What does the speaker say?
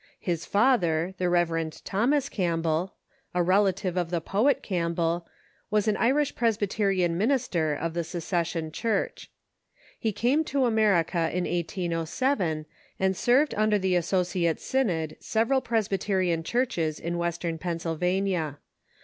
His father, the Rev. Thomas Campbell, a relative, of the poet Campbell, was an Irish Presbyterian minister of the Secession Church. He came to America in 1807, and served under the Associate Synod several Presbyterian churches in Western Pennsylvania.